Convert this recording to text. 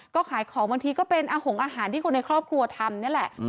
ก็ขายของบางทีก็เป็นอาหารที่คนในครอบครัวทำนี่แหละ